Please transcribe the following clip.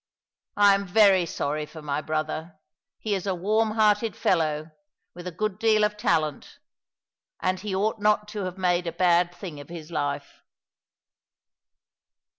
I am very sorry for my brother. He is a warm hearted fellow, with a good deal of talent; and he ought not to have made a bad thing of his life."